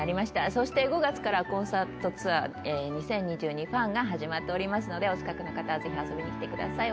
そして５月からコンサートツアー「２０２２−ＦＵＮ−」が始まっておりますのでお近くの方はぜひ遊びに来てください。